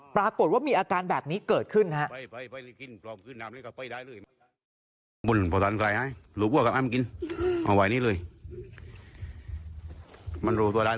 ปรากฏว่ามีอาการแบบนี้เกิดขึ้นฮะ